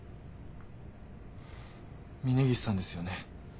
峰岸さんですよね